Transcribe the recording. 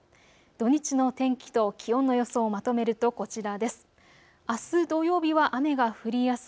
土日の天気と気温の予想をまとめるとこちらです。